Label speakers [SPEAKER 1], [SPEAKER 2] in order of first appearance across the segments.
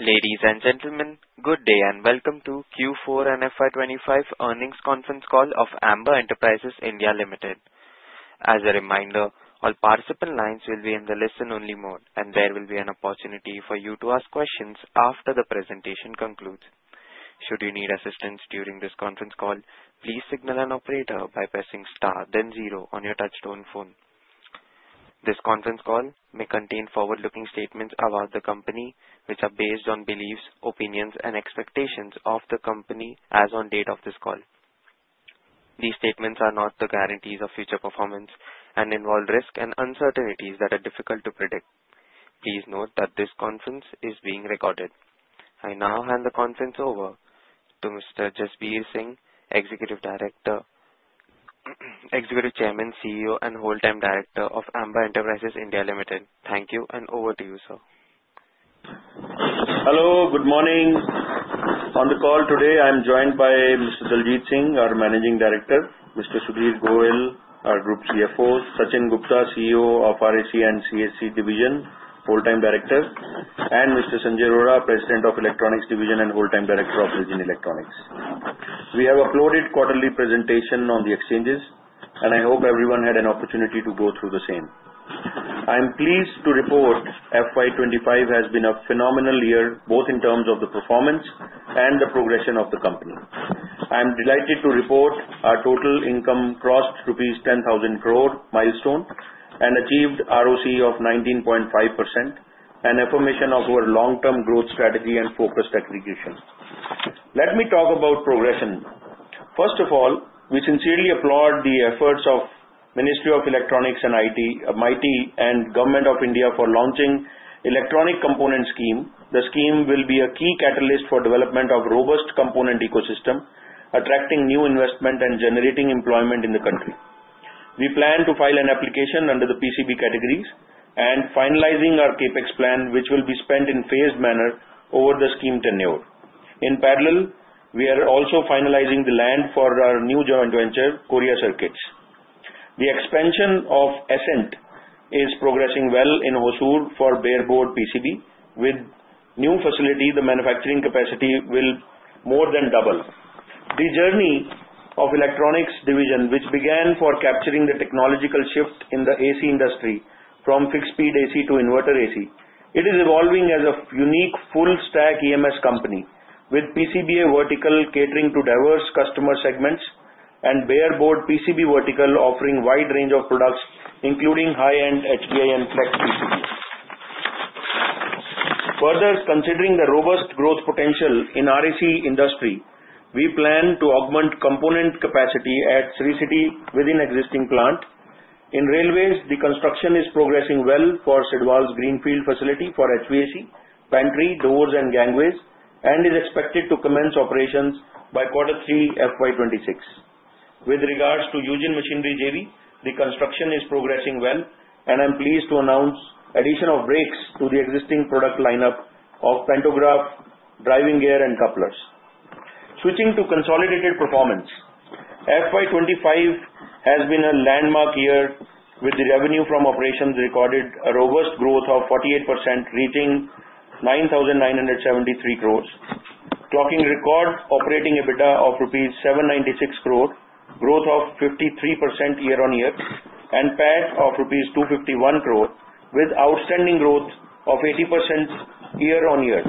[SPEAKER 1] As a reminder, all participant lines will be in the listen-only mode, and there will be an opportunity for you to ask questions after the presentation concludes. Should you need assistance during this conference call, please signal an operator by pressing star, then zero on your touchstone phone. This conference call may contain forward-looking statements about the company, which are based on beliefs, opinions, and expectations of the company as on date of this call. These statements are not the guarantees of future performance and involve risks and uncertainties that are difficult to predict. Please note that this conference is being recorded. I now hand the conference over to Mr. Jasbir Singh, Executive Chairman, CEO, and Whole-time Director of Amber Enterprises India Limited. Thank you, and over to you, sir.
[SPEAKER 2] Hello. Good morning. On the call today, I'm joined by Mr. Daljit Singh, our Managing Director; Mr. Sudhir Goyal, our Group CFO; Sachin Gupta, CEO of RSE and CSC division, Whole-time Director; and Mr. Sanjay Arora, President of Electronics Division and Whole-time Director of Virgin Electronics. We have uploaded quarterly presentation on the exchanges, and I hope everyone had an opportunity to go through the same. I'm pleased to report FY 2025 has been a phenomenal year, both in terms of the performance and the progression of the company. I'm delighted to report our total income crossed rupees 10,000 crore milestone and achieved ROCE of 19.5%, an affirmation of our long-term growth strategy and focused aggregation. Let me talk about progression. First of all, we sincerely applaud the efforts of the Ministry of Electronics and IT, MeitY, and Government of India for launching the Electronic Component Scheme. The scheme will be a key catalyst for the development of a robust component ecosystem, attracting new investment and generating employment in the country. We plan to file an application under the PCB categories and finalizing our CapEx plan, which will be spent in phased manner over the scheme tenure. In parallel, we are also finalizing the land for our new joint venture, Korea Circuit. The expansion of ASCENT is progressing well in Hosur for bare board PCB. With the new facility, the manufacturing capacity will more than double. The journey of the electronics division, which began for capturing the technological shift in the AC industry from fixed-speed AC to inverter AC, is evolving as a unique full-stack EMS company, with PCB vertical catering to diverse customer segments and bare board PCB vertical offering a wide range of products, including high-end HPI and flex PCB. Further, considering the robust growth potential in the RSE industry, we plan to augment component capacity at Sri City within the existing plant. In railways, the construction is progressing well for Sidwal's greenfield facility for HVAC, pantry, doors, and gangways, and is expected to commence operations by quarter three of fiscal year 2026. With regards to Yujin Machinery JV, the construction is progressing well, and I'm pleased to announce the addition of brakes to the existing product lineup of pantograph, driving gear, and couplers. Switching to consolidated performance, fiscal year 2025 has been a landmark year with the revenue from operations recording a robust growth of 48%, reaching 9,973 crore, clocking a record operating EBITDA of rupees 796 crore, a growth of 53% year-on-year, and a PAT of rupees 251 crore, with outstanding growth of 80% year-on-year.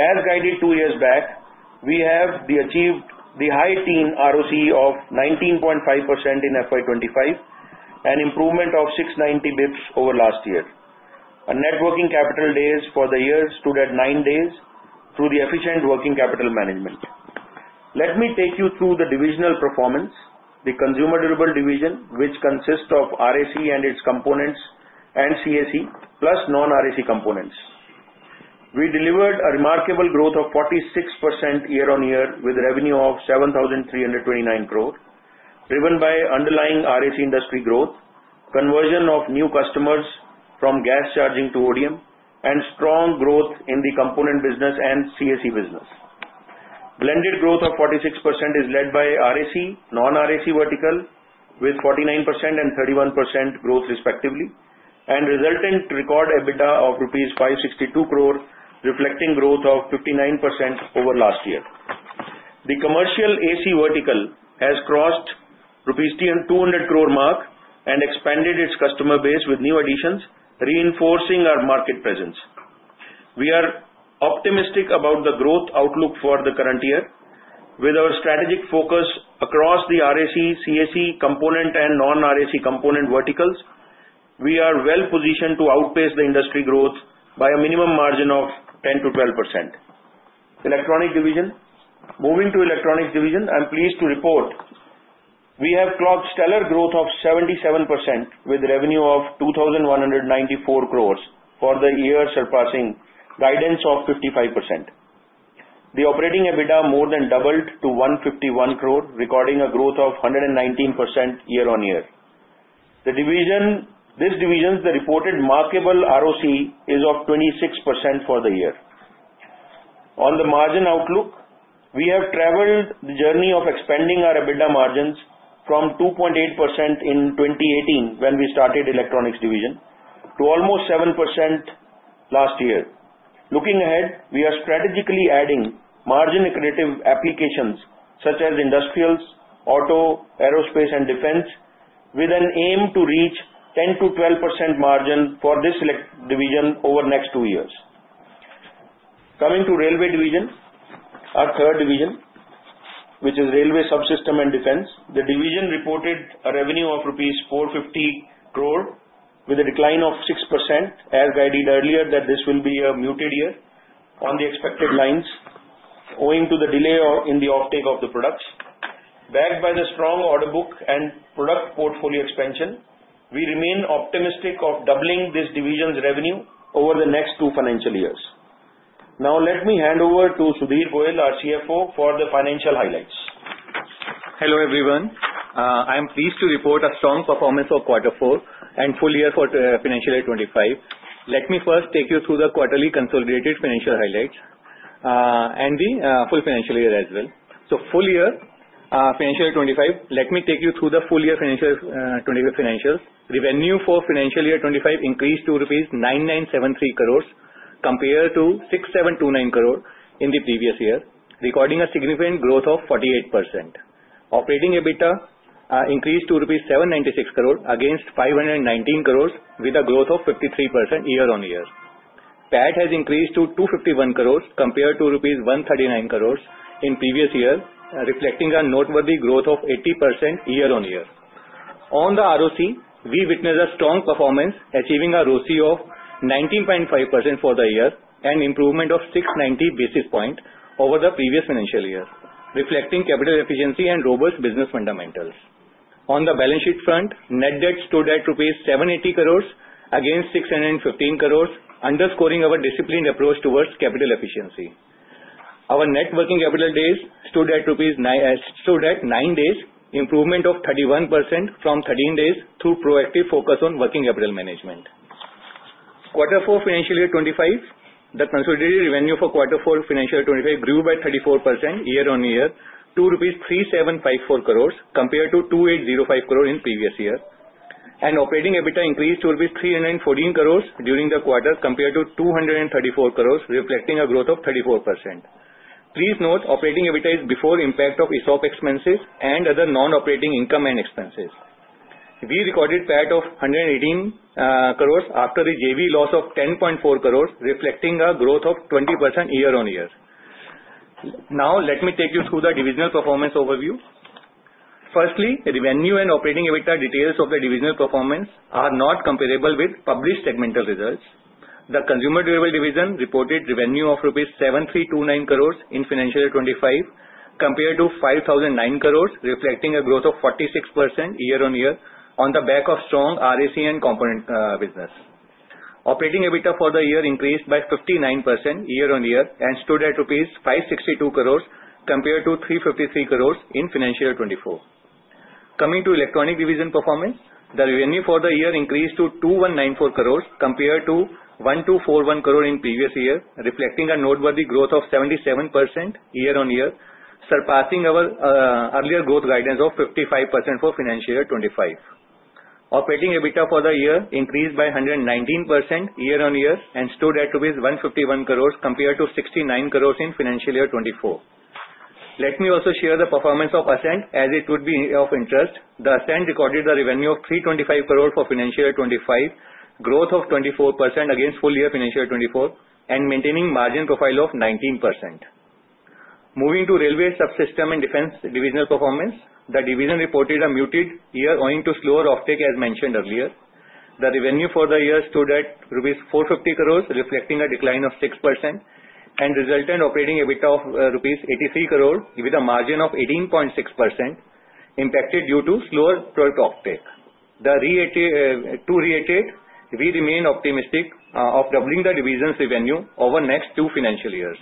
[SPEAKER 2] As guided two years back, we have achieved the high-teens ROCE of 19.5% in FY 2025 and an improvement of 690 basis points over last year. Our net working capital days for the year stood at nine days through efficient working capital management. Let me take you through the divisional performance, the consumer durable division, which consists of RAC and its components and CAC, plus non-RAC components. We delivered a remarkable growth of 46% year-on-year with a revenue of 7,329 crore, driven by underlying RAC industry growth, conversion of new customers from gas charging to ODM, and strong growth in the component business and CAC business. Blended growth of 46% is led by RAC, non-RAC vertical with 49% and 31% growth, respectively, and resultant record EBITDA of 562 crore rupees, reflecting growth of 59% over last year. The commercial AC vertical has crossed the rupees 200 crore mark and expanded its customer base with new additions, reinforcing our market presence. We are optimistic about the growth outlook for the current year. With our strategic focus across the RAC, CAC component, and non-RAC component verticals, we are well-positioned to outpace the industry growth by a minimum margin of 10%-12%. Electronic division, moving to electronics division, I'm pleased to report we have clocked stellar growth of 77% with a revenue of 2,194 crore for the year, surpassing guidance of 55%. The operating EBITDA more than doubled to 151 crore, recording a growth of 119% year-on-year. This division's reported markable ROC is of 26% for the year. On the margin outlook, we have traveled the journey of expanding our EBITDA margins from 2.8% in 2018 when we started electronics division to almost 7% last year. Looking ahead, we are strategically adding margin-accretive applications such as industrials, auto, aerospace, and defense, with an aim to reach 10%-12% margin for this division over the next two years. Coming to railway division, our third division, which is railway subsystem and defense, the division reported a revenue of rupees 450 crore with a decline of 6%, as guided earlier that this will be a muted year on the expected lines owing to the delay in the offtake of the products. Backed by the strong order book and product portfolio expansion, we remain optimistic of doubling this division's revenue over the next two financial years. Now, let me hand over to Sudhir Goyal, our CFO, for the financial highlights.
[SPEAKER 3] Hello everyone. I'm pleased to report a strong performance of quarter four and full year for financial year 2025. Let me first take you through the quarterly consolidated financial highlights and the full financial year as well. Full year financial year 2025, let me take you through the full year financial financials. Revenue for financial year 2025 increased to rupees 9,973 crore compared to 6,729 crore in the previous year, recording a significant growth of 48%. Operating EBITDA increased to 796 crore rupees against 519 crore, with a growth of 53% year-on-year. PAT has increased to 251 crore compared to 139 crore rupees in the previous year, reflecting a noteworthy growth of 80% year-on-year. On the ROCE, we witnessed a strong performance, achieving a ROCE of 19.5% for the year and an improvement of 690 basis points over the previous financial year, reflecting capital efficiency and robust business fundamentals. On the balance sheet front, net debt stood at rupees 780 crore against 615 crore, underscoring our disciplined approach towards capital efficiency. Our net working capital days stood at nine days, an improvement of 31% from 13 days through proactive focus on working capital management. Quarter four financial year 2025, the consolidated revenue for quarter four financial year 2025 grew by 34% year-on-year to rupees 3,754 crore compared to 2,805 crore in the previous year. Operating EBITDA increased to rupees 314 crore during the quarter compared to 234 crore, reflecting a growth of 34%. Please note, operating EBITDA is before the impact of ESOP expenses and other non-operating income and expenses. We recorded PAT of 118 crore after the JV loss of 10.4 crore, reflecting a growth of 20% year-on-year. Now, let me take you through the divisional performance overview. Firstly, revenue and operating EBITDA details of the divisional performance are not comparable with published segmental results. The consumer durable division reported revenue of 7,329 crore rupees in financial year 2025 compared to 5,009 crore, reflecting a growth of 46% year-on-year on the back of strong RAC and component business. Operating EBITDA for the year increased by 59% year-on-year and stood at rupees 562 crore compared to 353 crore in financial year 2024. Coming to electronic division performance, the revenue for the year increased to INR 2,194 crore compared to INR 1,241 crore in the previous year, reflecting a noteworthy growth of 77% year-on-year, surpassing our earlier growth guidance of 55% for financial year 2025. Operating EBITDA for the year increased by 119% year-on-year and stood at rupees 151 crore compared to 69 crore in financial year 2024. Let me also share the performance of ASCENT as it would be of interest. The ASCENT recorded a revenue of 325 crore for financial year 2025, a growth of 24% against full year financial year 2024, and maintaining a margin profile of 19%. Moving to railway subsystem and defense divisional performance, the division reported a muted year owing to slower offtake as mentioned earlier. The revenue for the year stood at rupees 450 crore, reflecting a decline of 6%, and resultant operating EBITDA of rupees 83 crore, with a margin of 18.6%, impacted due to slower product offtake. To reiterate, we remain optimistic of doubling the division's revenue over the next two financial years.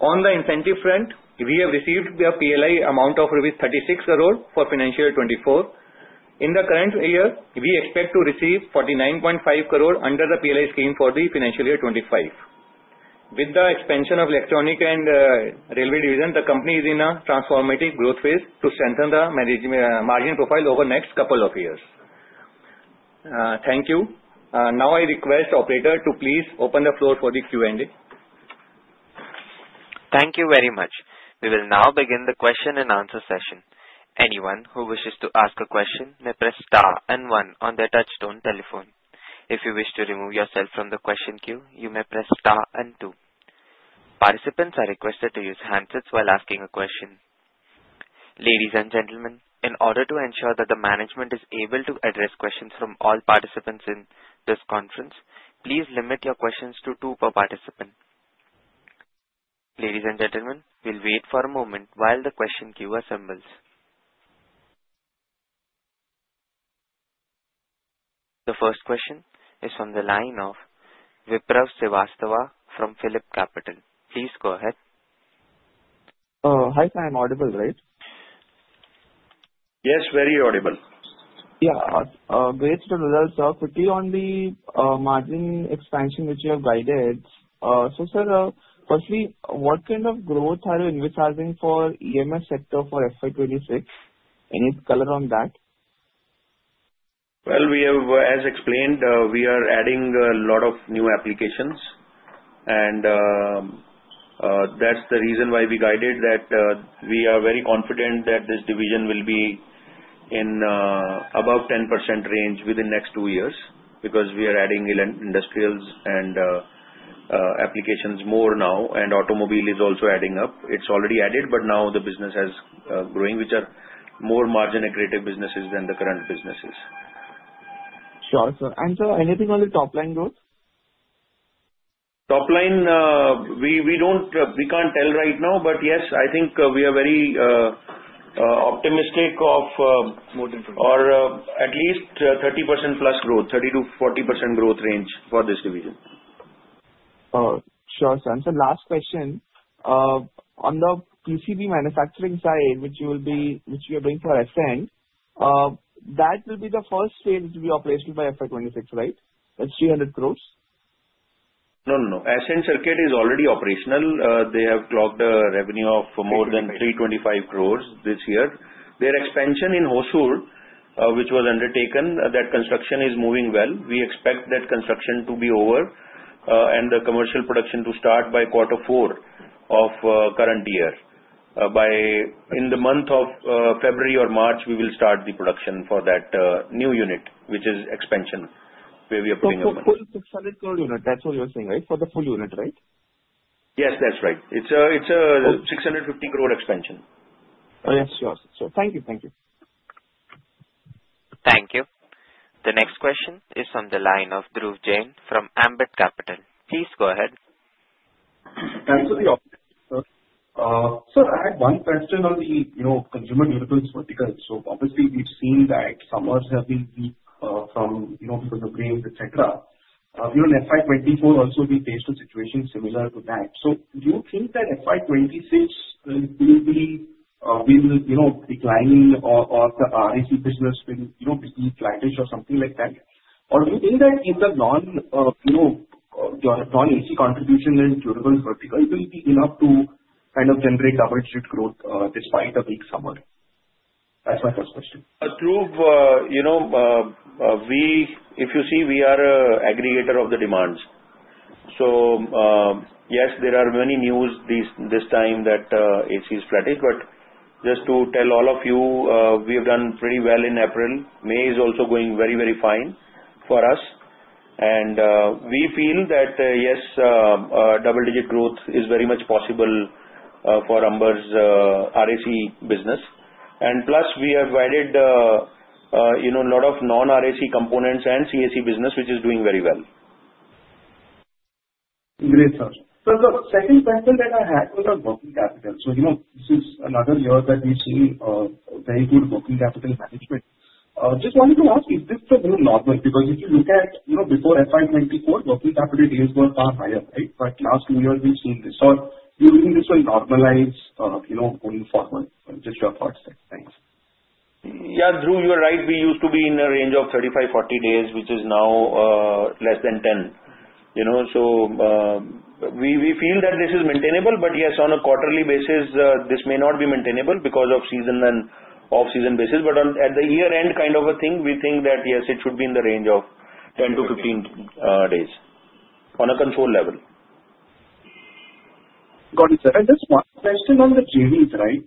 [SPEAKER 3] On the incentive front, we have received a PLI amount of rupees 36 crore for financial year 2024. In the current year, we expect to receive 49.5 crore under the PLI scheme for the financial year 2025. With the expansion of the electronic and railway division, the company is in a transformative growth phase to strengthen the margin profile over the next couple of years. Thank you. Now, I request the operator to please open the floor for the Q&A.
[SPEAKER 1] Thank you very much. We will now begin the question and answer session. Anyone who wishes to ask a question may press star and one on their touchstone telephone. If you wish to remove yourself from the question queue, you may press star and two. Participants are requested to use handsets while asking a question. Ladies and gentlemen, in order to ensure that the management is able to address questions from all participants in this conference, please limit your questions to two per participant. Ladies and gentlemen, we'll wait for a moment while the question queue assembles. The first question is from the line of Vipraw Srivastava from Phillip Capital. Please go ahead.
[SPEAKER 4] Hi, I am audible, right?
[SPEAKER 2] Yes, very audible.
[SPEAKER 4] Yeah. Great results. Pretty on the margin expansion which you have guided. Sir, firstly, what kind of growth are you envisaging for the EMS sector for FY 2026? Any color on that?
[SPEAKER 2] As explained, we are adding a lot of new applications. That is the reason why we guided that we are very confident that this division will be in the above 10% range within the next two years because we are adding industrials and applications more now. Automobile is also adding up. It is already added, but now the business is growing, which are more margin-accretive businesses than the current businesses.
[SPEAKER 4] Sure, sir. Sir, anything on the top-line growth?
[SPEAKER 2] Top-line, we can't tell right now, but yes, I think we are very optimistic of at least 30%+ growth, 30%-40% growth range for this division.
[SPEAKER 4] Sure, sir. And sir, last question. On the PCB manufacturing side, which you are doing for ASCENT, that will be the first phase to be operational by FY 2026, right? That is 300 crore? No, no. ASCENT Circuits is already operational. They have clocked a revenue of more than 3.25 crore this year. Their expansion in Hosur, which was undertaken, that construction is moving well. We expect that construction to be over and the commercial production to start by quarter four of the current year. In the month of February or March, we will start the production for that new unit, which is expansion where we are putting the money. For the full INR 600 crore unit, that's what you're saying, right? For the full unit, right?
[SPEAKER 2] Yes, that's right. It's a 650 crore expansion.
[SPEAKER 4] Yes, sure. Thank you.
[SPEAKER 1] Thank you. The next question is from the line of Dhruv Jain from Ambit Capital. Please go ahead.
[SPEAKER 5] Thanks for the opportunity, sir. Sir, I had one question on the consumer durable vertical. Obviously, we've seen that summers have been weak because of rain, etc. In 2024, also, we faced a situation similar to that. Do you think that 2026 will be declining or the RAC business will be flatish or something like that? Do you think that even the non-AC contribution and durable vertical will be enough to kind of generate double-digit growth despite a weak summer? That's my first question.
[SPEAKER 2] Dhruv, if you see, we are an aggregator of the demands. Yes, there are many news this time that AC is flatish. Just to tell all of you, we have done pretty well in April. May is also going very, very fine for us. We feel that, yes, double-digit growth is very much possible for Amber's RAC business. Plus, we have guided a lot of non-RAC components and CAC business, which is doing very well.
[SPEAKER 5] Great, sir. Sir, second question that I had on the working capital. This is another year that we've seen very good working capital management. Just wanted to ask, is this the new normal? If you look at before FY 2024, working capital days were far higher, right? The last two years, we've seen this. Are you doing this to normalize going forward? Just your thoughts. Thanks.
[SPEAKER 6] Yeah, Dhruv, you're right. We used to be in a range of 35 days-40 days, which is now less than 10. We feel that this is maintainable. Yes, on a quarterly basis, this may not be maintainable because of season and off-season basis. At the year-end kind of a thing, we think that, yes, it should be in the range of 10 days-15 days on a controlled level.
[SPEAKER 5] Got it, sir. Just one question on the JVs, right?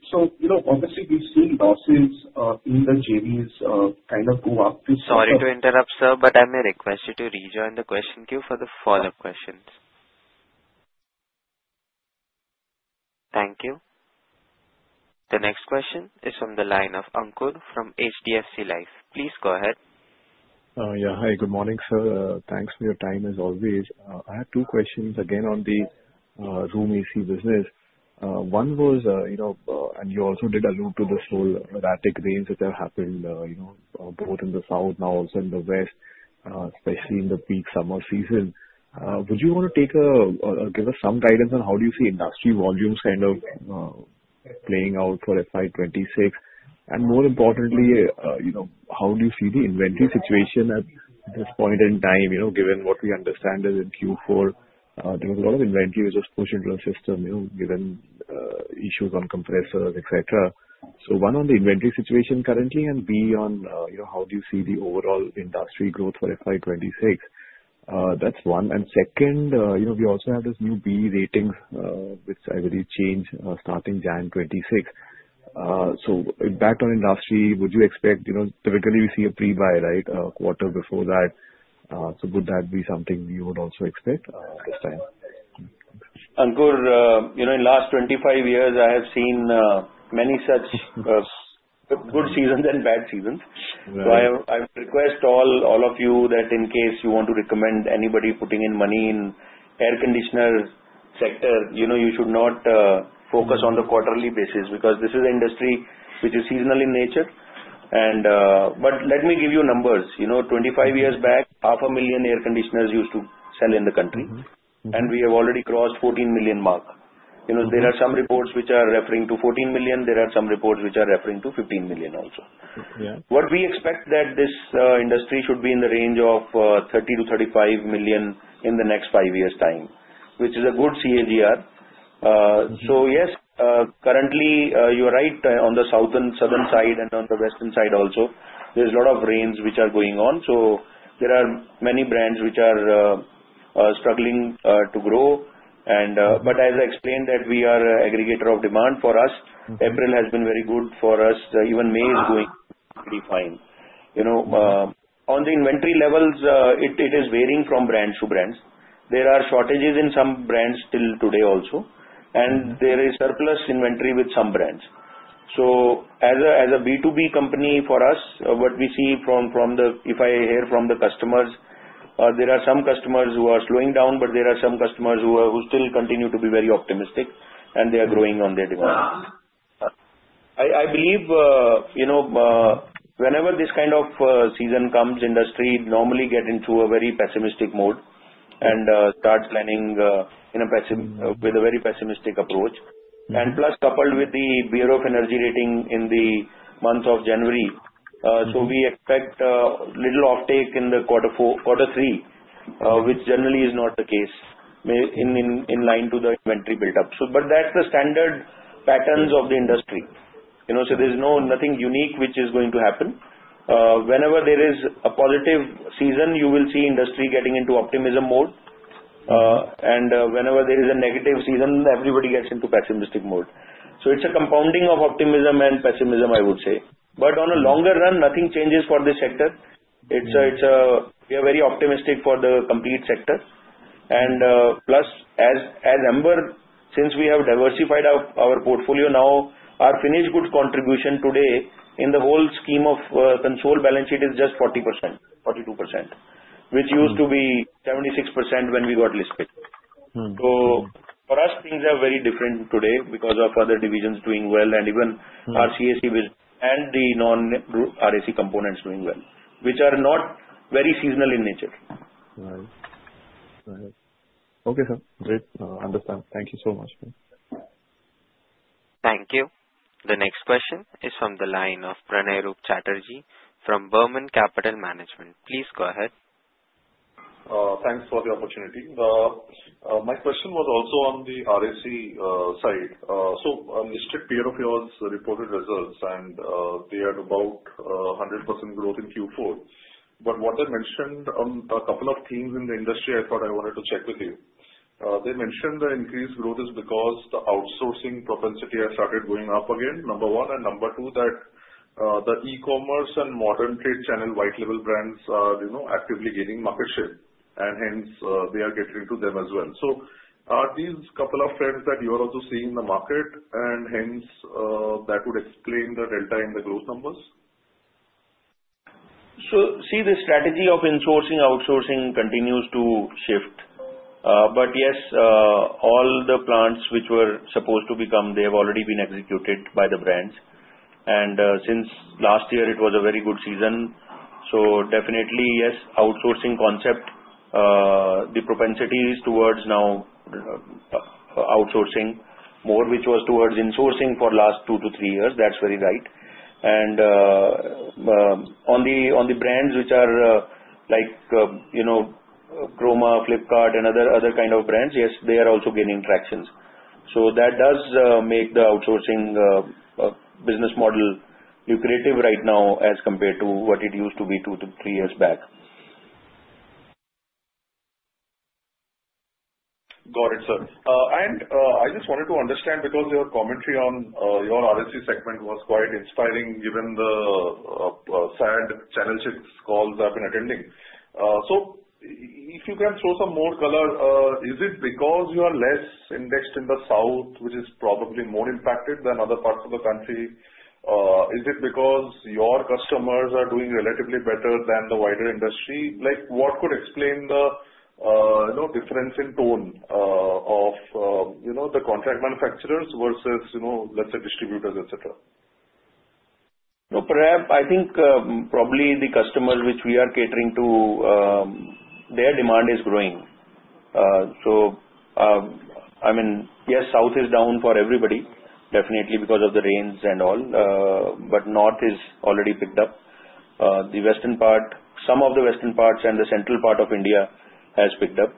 [SPEAKER 5] Obviously, we've seen losses in the JVs kind of go up.
[SPEAKER 1] Sorry to interrupt, sir, but I may request you to rejoin the question queue for the follow-up questions. Thank you. The next question is from the line of Ankur from HDFC Life. Please go ahead.
[SPEAKER 7] Yeah. Hi, good morning, sir. Thanks for your time as always. I had two questions again on the room AC business. One was, and you also did allude to this whole erratic range that has happened both in the south now and in the west, especially in the peak summer season. Would you want to give us some guidance on how do you see industry volumes kind of playing out for FY 2026? More importantly, how do you see the inventory situation at this point in time, given what we understand is in Q4, there was a lot of inventory which was pushed into the system given issues on compressors, et cetera? One on the inventory situation currently and B on how do you see the overall industry growth for FY 2026? That is one. Second, we also have this new B rating which I believe changed starting January 2026. Back to industry, would you expect typically we see a pre-buy, right, a quarter before that? Would that be something you would also expect this time?
[SPEAKER 2] Ankur, in the last 25 years, I have seen many such good seasons and bad seasons. I request all of you that in case you want to recommend anybody putting in money in the air conditioner sector, you should not focus on the quarterly basis because this is an industry which is seasonal in nature. Let me give you numbers. Twenty-five years back, 500,000 air conditioners used to sell in the country. We have already crossed the 14 million mark. There are some reports which are referring to 14 million. There are some reports which are referring to 15 million also. What we expect is that this industry should be in the range of 30 million-35 million in the next five years' time, which is a good CAGR. Yes, currently, you're right on the southern side and on the western side also. is a lot of rains which are going on. There are many brands which are struggling to grow. As I explained, we are an aggregator of demand. For us, April has been very good for us. Even May is going pretty fine. On the inventory levels, it is varying from brand to brand. There are shortages in some brands still today also. There is surplus inventory with some brands. As a B2B company for us, what we see from the if I hear from the customers, there are some customers who are slowing down, but there are some customers who still continue to be very optimistic, and they are growing on their demand. I believe whenever this kind of season comes, industry normally gets into a very pessimistic mode and starts planning with a very pessimistic approach. Plus, coupled with the Bureau of Energy rating in the month of January, we expect a little offtake in quarter three, which generally is not the case in line with the inventory build-up. That is the standard pattern of the industry. There is nothing unique which is going to happen. Whenever there is a positive season, you will see industry getting into optimism mode. Whenever there is a negative season, everybody gets into pessimistic mode. It is a compounding of optimism and pessimism, I would say. On a longer run, nothing changes for this sector. We are very optimistic for the complete sector. Plus, as Amber, since we have diversified our portfolio now, our finished goods contribution today in the whole scheme of the consolidated balance sheet is just 40%, 42%, which used to be 76% when we got listed. For us, things are very different today because of other divisions doing well and even our CAC and the non-RAC components doing well, which are not very seasonal in nature.
[SPEAKER 7] Right. Okay, sir. Great. Understand. Thank you so much.
[SPEAKER 1] Thank you. The next question is from the line of Pranay Roop Chatterjee from Burman Capital Management. Please go ahead.
[SPEAKER 8] Thanks for the opportunity. My question was also on the RAC side. I'm listed peer of yours reported results, and they are about 100% growth in Q4. What they mentioned on a couple of themes in the industry, I thought I wanted to check with you. They mentioned the increased growth is because the outsourcing propensity has started going up again, number one. Number two, that the e-commerce and modern trade channel white-label brands are actively gaining market share. Hence, they are getting to them as well. Are these a couple of trends that you are also seeing in the market? Hence, that would explain the delta in the growth numbers?
[SPEAKER 2] See, the strategy of insourcing and outsourcing continues to shift. Yes, all the plants which were supposed to come, they have already been executed by the brands. Since last year, it was a very good season. Definitely, yes, outsourcing concept, the propensity is towards now outsourcing more, which was towards insourcing for the last two to three years. That's very right. On the brands which are like Croma, Flipkart, and other kinds of brands, yes, they are also gaining traction. That does make the outsourcing business model lucrative right now as compared to what it used to be two to three years back.
[SPEAKER 8] Got it, sir. I just wanted to understand because your commentary on your RAC segment was quite inspiring given the sad channel shifts calls I have been attending. If you can throw some more color, is it because you are less indexed in the south, which is probably more impacted than other parts of the country? Is it because your customers are doing relatively better than the wider industry? What could explain the difference in tone of the contract manufacturers versus, let's say, distributors, et cetera?
[SPEAKER 2] No, perhaps I think probably the customers which we are catering to, their demand is growing. I mean, yes, south is down for everybody, definitely because of the rains and all. North is already picked up. The western part, some of the western parts and the central part of India has picked up.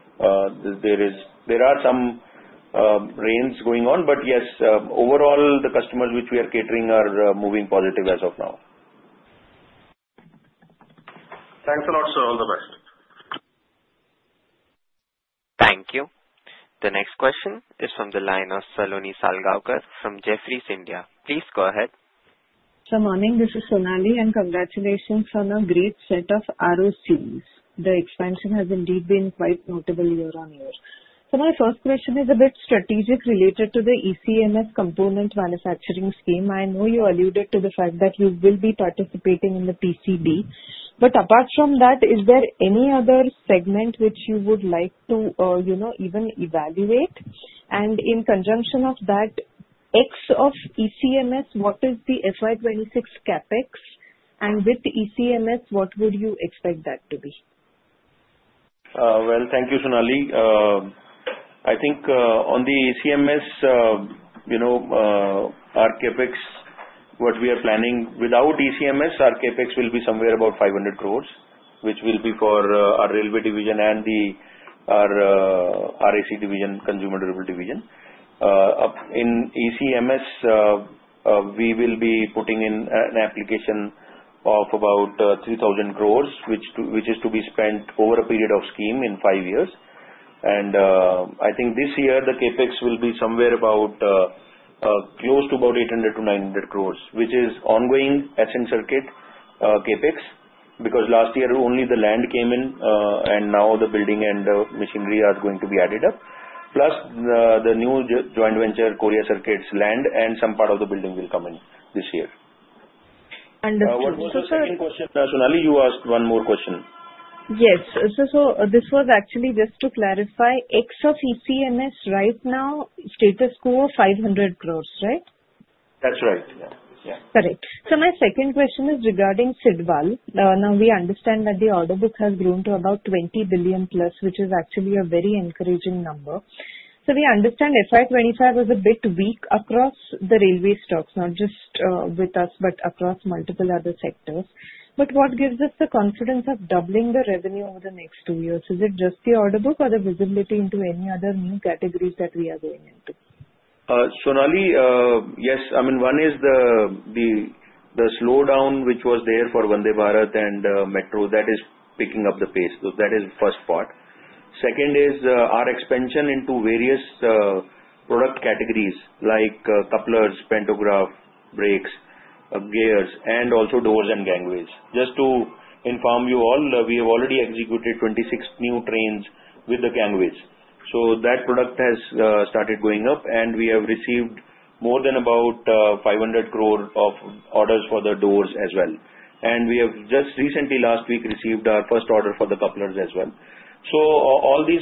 [SPEAKER 2] There are some rains going on. Yes, overall, the customers which we are catering are moving positive as of now.
[SPEAKER 8] Thanks a lot, sir. All the best.
[SPEAKER 1] Thank you. The next question is from the line of Sonali Salgaonkar from Jefferies India. Please go ahead.
[SPEAKER 9] Good morning. This is Sonali. Congratulations on a great set of ROCEs. The expansion has indeed been quite notable year on year. My first question is a bit strategic related to the ECMS component manufacturing scheme. I know you alluded to the fact that you will be participating in the PCB. Apart from that, is there any other segment which you would like to even evaluate? In conjunction with that, X of ECMS, what is the FY 2026 CapEx? With ECMS, what would you expect that to be?
[SPEAKER 2] Thank you, Sonali. I think on the ECMS, our CapEx, what we are planning without ECMS, our CapEx will be somewhere about 500 crore, which will be for our railway division and the RAC division, consumer durable division. In ECMS, we will be putting in an application of about 3,000 crore, which is to be spent over a period of scheme in five years. I think this year, the CapEx will be somewhere about close to about 800-900 crore, which is ongoing ASCENT Circuits CapEx because last year, only the land came in. Now, the building and the machinery are going to be added up. Plus, the new joint venture, Korea Circuits' land and some part of the building will come in this year.
[SPEAKER 9] Understood. Sir.
[SPEAKER 2] I have one question. Sonali, you asked one more question.
[SPEAKER 9] Yes. This was actually just to clarify. X of ECMS right now, status quo, 500 crore, right?
[SPEAKER 2] That's right. Yeah.
[SPEAKER 9] Correct. My second question is regarding Sidwal. Now, we understand that the order book has grown to about 20 billion+, which is actually a very encouraging number. We understand FY 2025 was a bit weak across the railway stocks, not just with us, but across multiple other sectors. What gives us the confidence of doubling the revenue over the next two years? Is it just the order book or the visibility into any other new categories that we are going into?
[SPEAKER 2] Yes. I mean, one is the slowdown which was there for Vande Bharat and Metro that is picking up the pace. That is the first part. Second is our expansion into various product categories like couplers, pantograph, brakes, gears, and also doors and gangways. Just to inform you all, we have already executed 26 new trains with the gangways. That product has started going up. We have received more than about 500 crore of orders for the doors as well. We have just recently, last week, received our first order for the couplers as well. All this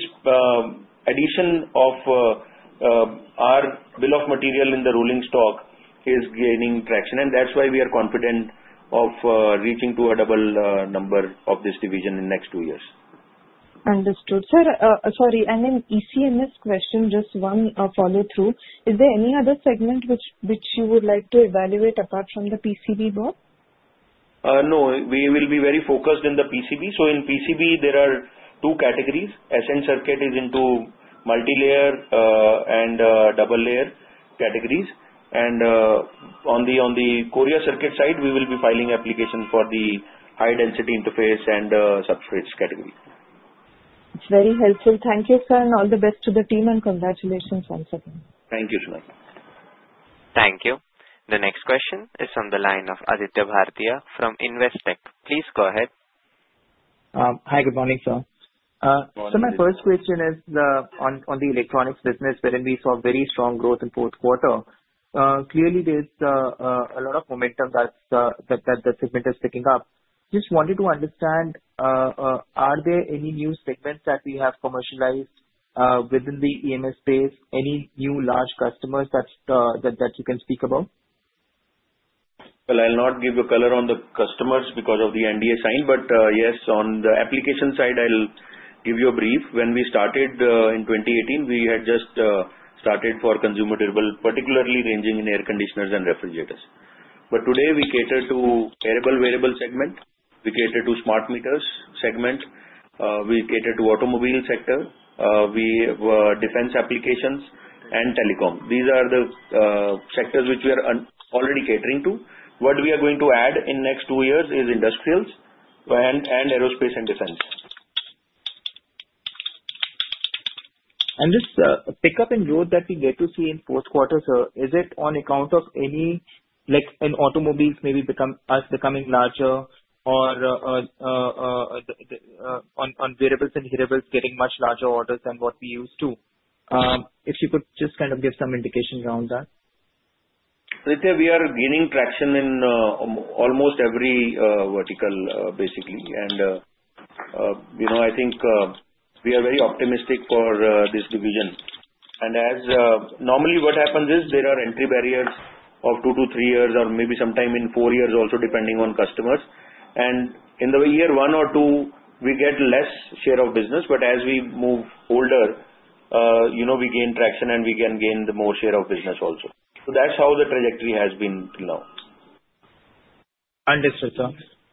[SPEAKER 2] addition of our bill of material in the rolling stock is gaining traction. That is why we are confident of reaching to a double number of this division in the next two years.
[SPEAKER 9] Understood, sir. Sorry. In the ECMS question, just one follow-through. Is there any other segment which you would like to evaluate apart from the PCB board?
[SPEAKER 2] No. We will be very focused in the PCB. In PCB, there are two categories. ASCENT Circuits is into multi-layer and double-layer categories. On the Korea Circuits side, we will be filing application for the high-density interface and substrate category.
[SPEAKER 9] It's very helpful. Thank you, sir. All the best to the team. Congratulations once again.
[SPEAKER 2] Thank you, Sonali.
[SPEAKER 1] Thank you. The next question is from the line of Aditya Bhartia from Investec. Please go ahead.
[SPEAKER 10] Hi. Good morning, sir. My first question is on the electronics business, wherein we saw very strong growth in fourth quarter. Clearly, there is a lot of momentum that the segment is picking up. Just wanted to understand, are there any new segments that we have commercialized within the EMS space? Any new large customers that you can speak about?
[SPEAKER 2] I'll not give you color on the customers because of the NDA sign. Yes, on the application side, I'll give you a brief. When we started in 2018, we had just started for consumer durable, particularly ranging in air conditioners and refrigerators. Today, we cater to wearable, wearable segment. We cater to smart meters segment. We cater to automobile sector, defense applications, and telecom. These are the sectors which we are already catering to. What we are going to add in the next two years is industrials and aerospace and defense.
[SPEAKER 10] This pickup in growth that we get to see in fourth quarter, sir, is it on account of any automobiles maybe becoming larger or on wearables and hearables getting much larger orders than what we used to? If you could just kind of give some indication around that.
[SPEAKER 2] Aditya, we are gaining traction in almost every vertical, basically. I think we are very optimistic for this division. Normally, what happens is there are entry barriers of two to three years or maybe sometime in four years also, depending on customers. In the year one or two, we get less share of business. As we move older, we gain traction and we can gain the more share of business also. That is how the trajectory has been till now.
[SPEAKER 10] Understood,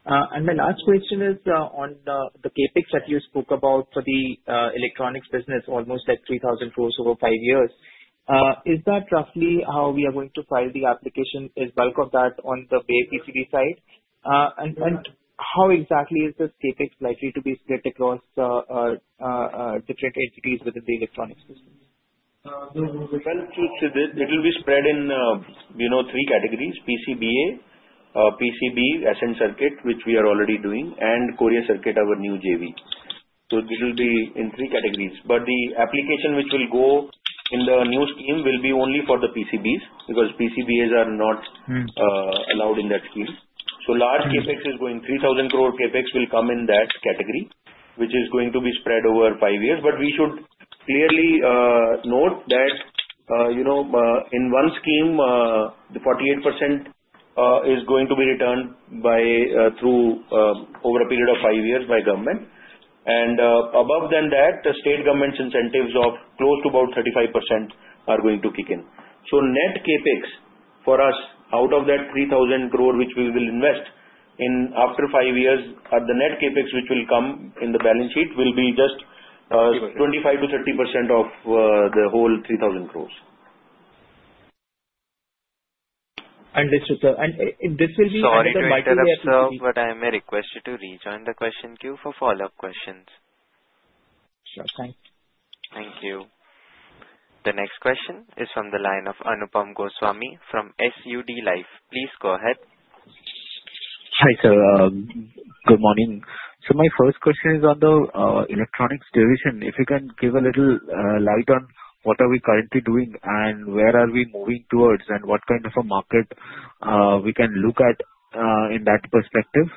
[SPEAKER 10] sir. My last question is on the CapEx that you spoke about for the electronics business, almost like 3,000 crore over five years. Is that roughly how we are going to file the application? Is bulk of that on the PCB side? How exactly is this CapEx likely to be split across different entities within the electronics business?
[SPEAKER 2] It will be spread in three categories: PCBA, PCB, ASCENT Circuits, which we are already doing, and Korea Circuits, our new JV. It will be in three categories. The application which will go in the new scheme will be only for the PCBs because PCBAs are not allowed in that scheme. Large CapEx is going. 3,000 crore CapEx will come in that category, which is going to be spread over five years. We should clearly note that in one scheme, the 48% is going to be returned through over a period of five years by government. Above that, the state government's incentives of close to about 35% are going to kick in. Net CapEx for us out of that 3,000 crore which we will invest in after five years, the net CapEx which will come in the balance sheet will be just 25%-30% of the whole 3,000 crore.
[SPEAKER 10] Understood, sir. This will be shared by TSL.
[SPEAKER 1] Sorry to interrupt, but I may request you to rejoin the question queue for follow-up questions.
[SPEAKER 10] Sure. Thank you.
[SPEAKER 1] Thank you. The next question is from the line of Anupam Goswami from SUD Life. Please go ahead.
[SPEAKER 11] Hi, sir. Good morning. My first question is on the electronics division. If you can give a little light on what are we currently doing and where are we moving towards and what kind of a market we can look at in that perspective.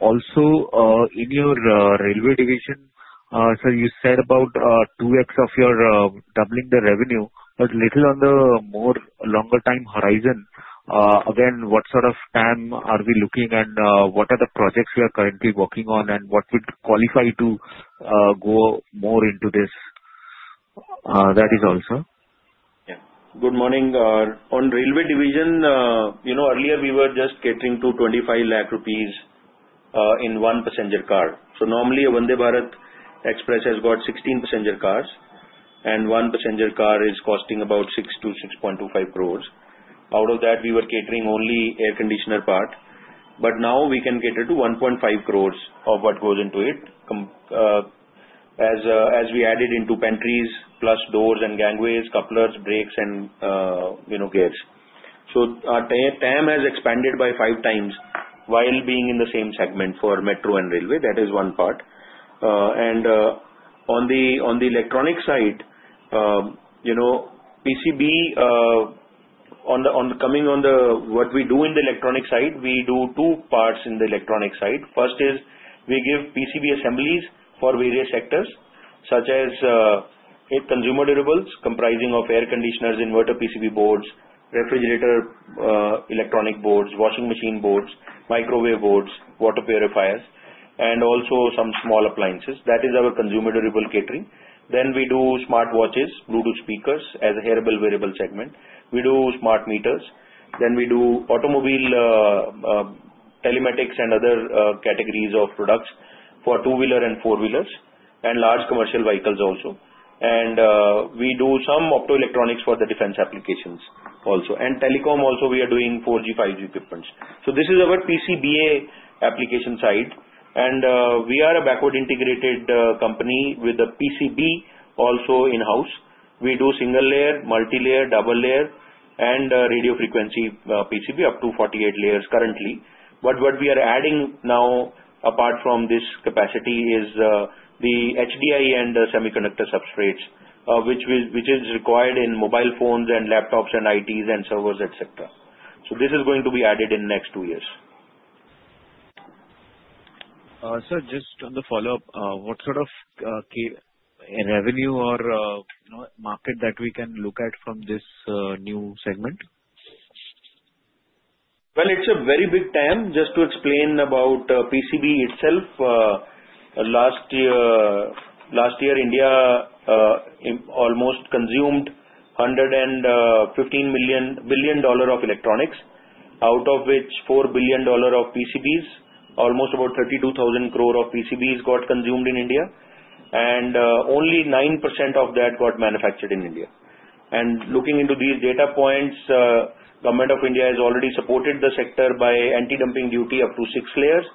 [SPEAKER 11] Also, in your railway division, sir, you said about 2x of your doubling the revenue. A little on the more longer-term horizon. Again, what sort of time are we looking and what are the projects we are currently working on and what would qualify to go more into this? That is also.
[SPEAKER 2] Yeah. Good morning. On railway division, earlier, we were just catering to 2.5 lakh rupees in one passenger car. Normally, a Vande Bharat Express has got 16 passenger cars, and one passenger car is costing about 60 crore-62.5 crore. Out of that, we were catering only air conditioner part. Now, we can cater to 15 crore of what goes into it as we added into pantries plus doors and gangways, couplers, brakes, and gears. Our time has expanded by five times while being in the same segment for metro and railway. That is one part. On the electronics side, PCB on coming on the what we do in the electronics side, we do two parts in the electronics side. First is we give PCB assemblies for various sectors such as consumer durables, comprising of air conditioners, inverter PCB boards, refrigerator electronic boards, washing machine boards, microwave boards, water purifiers, and also some small appliances. That is our consumer durable catering. Then we do smart watches, Bluetooth speakers as a hearable, wearable segment. We do smart meters. We do automobile telematics and other categories of products for two-wheeler and four-wheelers and large commercial vehicles also. We do some optoelectronics for the defense applications also. Telecom also, we are doing 4G, 5G equipments. This is our PCBA application side. We are a backward-integrated company with a PCB also in-house. We do single layer, multi-layer, double layer, and radio frequency PCB up to 48 layers currently. What we are adding now apart from this capacity is the HDI and semiconductor substrates, which is required in mobile phones and laptops and ITs and servers, et cetera. This is going to be added in the next two years.
[SPEAKER 11] Sir, just on the follow-up, what sort of revenue or market that we can look at from this new segment?
[SPEAKER 2] It is a very big time. Just to explain about PCB itself, last year, India almost consumed $115 billion of electronics, out of which $4 billion of PCBs, almost about 32,000 crore of PCBs got consumed in India. Only 9% of that got manufactured in India. Looking into these data points, the Government of India has already supported the sector by anti-dumping duty up to six layers,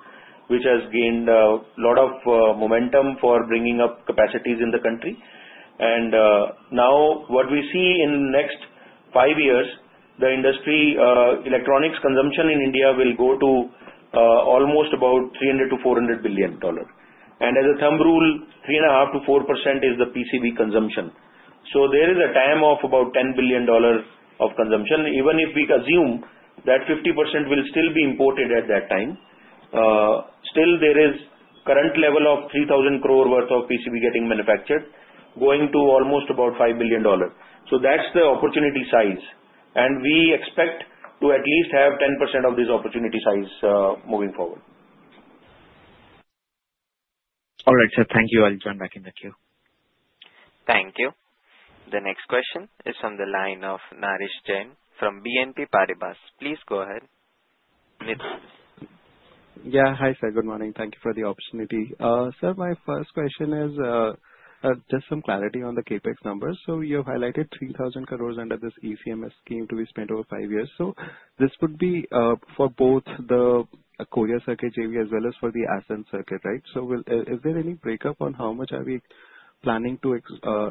[SPEAKER 2] which has gained a lot of momentum for bringing up capacities in the country. Now, what we see in the next five years, the industry electronics consumption in India will go to almost about $300 billion-$400 billion. As a thumb rule, 3.5%-4% is the PCB consumption. There is a time of about $10 billion of consumption. Even if we assume that 50% will still be imported at that time, still there is current level of 3,000 crore worth of PCB getting manufactured, going to almost about $5 billion. That is the opportunity size. We expect to at least have 10% of this opportunity size moving forward.
[SPEAKER 11] All right, sir. Thank you. I'll join back in the queue.
[SPEAKER 1] Thank you. The next question is from the line of Nirransh Jain from BNP Paribas. Please go ahead.
[SPEAKER 12] Yeah. Hi, sir. Good morning. Thank you for the opportunity. Sir, my first question is just some clarity on the CapEx numbers. You have highlighted 3,000 crore under this ECMS scheme to be spent over five years. This would be for both the Korea Circuits JV as well as for the ASCENT Circuits, right? Is there any breakup on how much are we planning to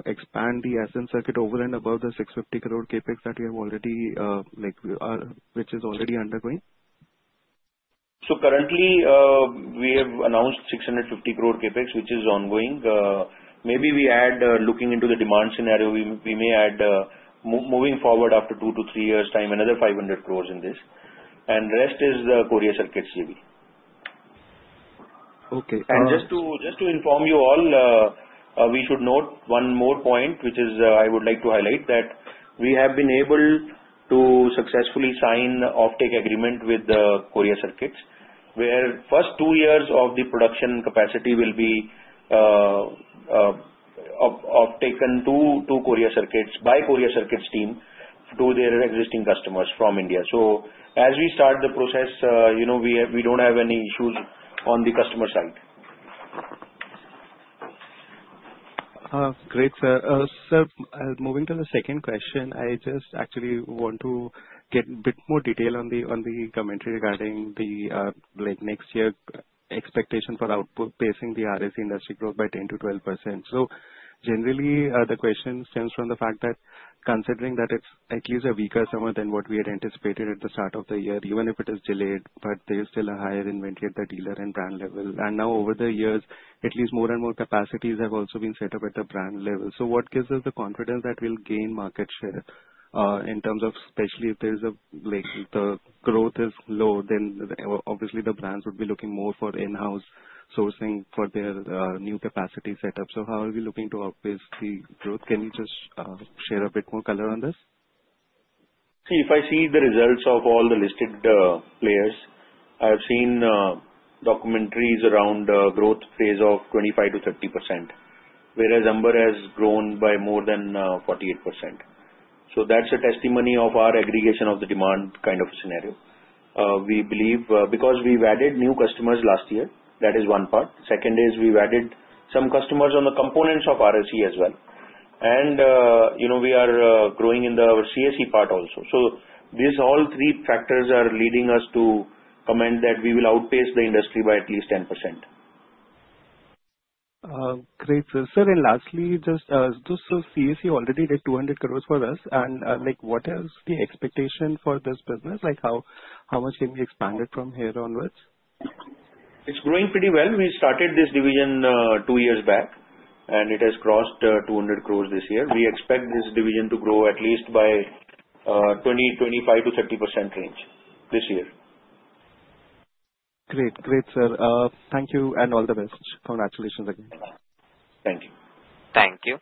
[SPEAKER 12] expand the ASCENT Circuits over and above the 650 crore CapEx that we have already, which is already undergoing?
[SPEAKER 2] Currently, we have announced 650 crore CapEx, which is ongoing. Maybe we add, looking into the demand scenario, we may add, moving forward after two to three years' time, another 500 crore in this. The rest is the Korea Circuits JV.
[SPEAKER 12] Okay.
[SPEAKER 2] Just to inform you all, we should note one more point, which I would like to highlight, that we have been able to successfully sign an offtake agreement with Korea Circuits, where the first two years of the production capacity will be offtaken to Korea Circuits by Korea Circuits' team to their existing customers from India. As we start the process, we do not have any issues on the customer side.
[SPEAKER 12] Great, sir. Sir, moving to the second question, I just actually want to get a bit more detail on the commentary regarding the next year's expectation for output, pacing the RAC industry growth by 10%-12%. Generally, the question stems from the fact that considering that it's at least a weaker summer than what we had anticipated at the start of the year, even if it is delayed, but there is still a higher inventory at the dealer and brand level. Now, over the years, at least more and more capacities have also been set up at the brand level. What gives us the confidence that we'll gain market share in terms of, especially if the growth is low, then obviously the brands would be looking more for in-house sourcing for their new capacity setup. How are we looking to outpace the growth? Can you just share a bit more color on this?
[SPEAKER 2] See, if I see the results of all the listed players, I have seen documentaries around a growth phase of 25%-30%, whereas Amber has grown by more than 48%. That is a testimony of our aggregation of the demand kind of scenario. We believe because we have added new customers last year, that is one part. Second is we have added some customers on the components of RAC as well. We are growing in the CAC part also. These all three factors are leading us to comment that we will outpace the industry by at least 10%.
[SPEAKER 12] Great, sir. Sir, and lastly, just as CAC already did 200 crore for us. And what is the expectation for this business? How much can we expand it from here onwards?
[SPEAKER 2] It's growing pretty well. We started this division two years back, and it has crossed 200 crore this year. We expect this division to grow at least by 20%-25% to 30% range this year.
[SPEAKER 12] Great. Great, sir. Thank you and all the best. Congratulations again.
[SPEAKER 2] Thank you.
[SPEAKER 1] Thank you.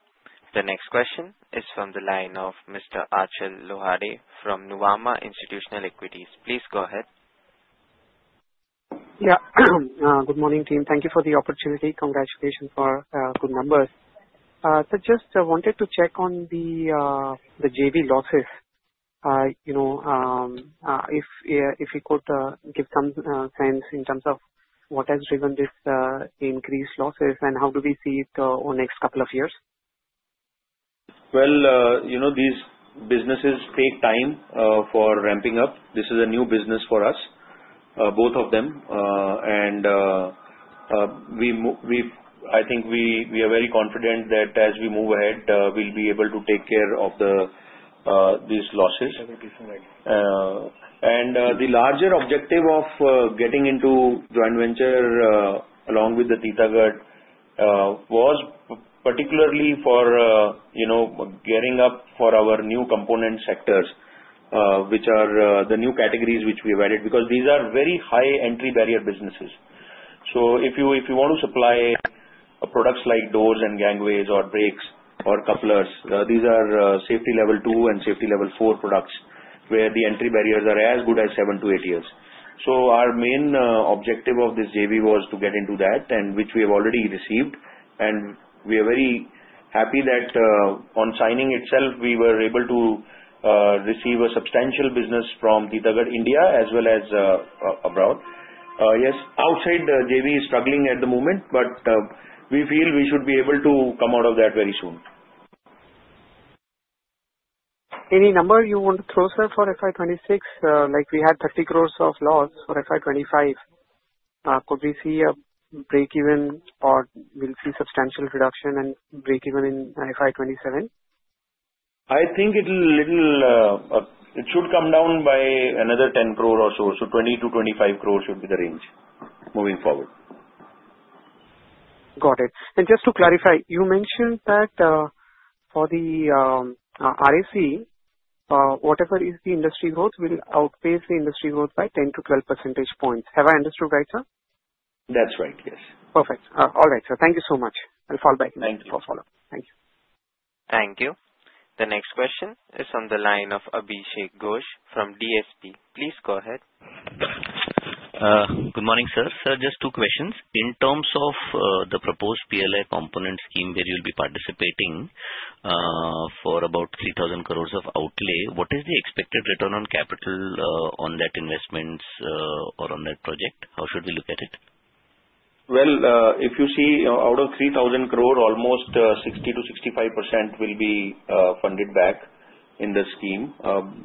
[SPEAKER 1] The next question is from the line of Mr. Archal Lohade from Nuvama Institutional Equities. Please go ahead.
[SPEAKER 13] Yeah. Good morning, team. Thank you for the opportunity. Congratulations for good numbers. Just wanted to check on the JV losses. If you could give some sense in terms of what has driven this increased losses and how do we see it over the next couple of years?
[SPEAKER 2] These businesses take time for ramping up. This is a new business for us, both of them. I think we are very confident that as we move ahead, we'll be able to take care of these losses. The larger objective of getting into joint venture along with Titagarh was particularly for gearing up for our new component sectors, which are the new categories which we have added because these are very high entry barrier businesses. If you want to supply products like doors and gangways or brakes or couplers, these are safety level two and safety level four products where the entry barriers are as good as seven to eight years. Our main objective of this JV was to get into that, which we have already received. We are very happy that on signing itself, we were able to receive substantial business from Titagarh India as well as abroad. Yes, outside the JV is struggling at the moment, but we feel we should be able to come out of that very soon.
[SPEAKER 13] Any number you want to throw, sir, for FY 2026? We had 30 crore of loss for FY 2025. Could we see a breakeven or we'll see substantial reduction and breakeven in FY 2027?
[SPEAKER 2] I think it should come down by another 10 crore or so. 20 crore-25 crore should be the range moving forward.
[SPEAKER 13] Got it. Just to clarify, you mentioned that for the RAC, whatever is the industry growth, we will outpace the industry growth by 10 percentage points-12 percentage points. Have I understood right, sir?
[SPEAKER 2] That's right, yes.
[SPEAKER 13] Perfect. All right, sir. Thank you so much. I'll fall back.
[SPEAKER 2] Thank you. For follow-up. Thank you.
[SPEAKER 1] Thank you. The next question is from the line of Abhishek Ghosh from DSP. Please go ahead.
[SPEAKER 14] Good morning, sir. Sir, just two questions. In terms of the proposed PLI component scheme where you'll be participating for about 3,000 crore of outlay, what is the expected return on capital on that investment or on that project? How should we look at it?
[SPEAKER 2] If you see, out of 3,000 crore, almost 60%-65% will be funded back in the scheme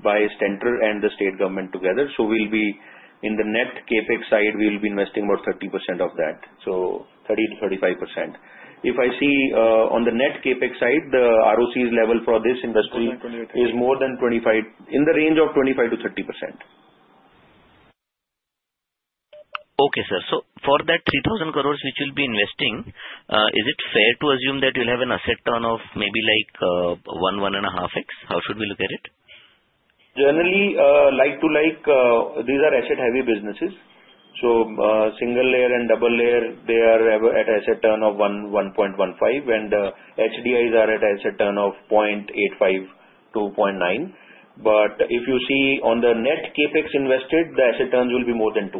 [SPEAKER 2] by [Stentor] and the state government together. We will be, in the net CapEx side, investing about 30% of that, so 30%-35%. If I see on the net CapEx side, the ROCE level for this industry is more than 25% in the range of 25%-30%.
[SPEAKER 14] Okay, sir. For that 3,000 crore which you'll be investing, is it fair to assume that you'll have an asset turn of maybe like 1, 1.5x? How should we look at it?
[SPEAKER 2] Generally, like to like, these are asset-heavy businesses. Single layer and double layer, they are at an asset turn of 1.15, and HDIs are at an asset turn of 0.85-0.9. If you see on the net CapEx invested, the asset turns will be more than 2.